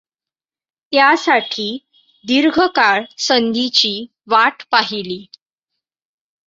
त्यासाठी दीर्घकाळ संधीची वाट पाहिली.